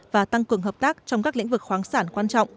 và tăng cường hợp tác trong các lĩnh vực khoáng sản quan trọng